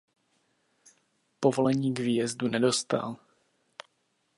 Povolení k výjezdu nedostal.